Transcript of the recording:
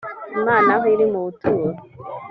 imana aho iri mu buturo